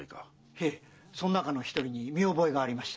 へえその中の一人に見覚えがありました。